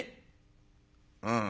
「うん」。